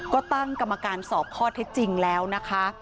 ก็ตั้งกรรมการสอบข้อเท็จจริงแล้วนะคะ